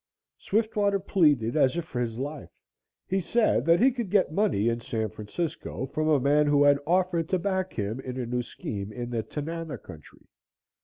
Swiftwater pleaded as if for his life. He said that he could get money in San Francisco from a man who had offered to back him in a new scheme in the Tanana country.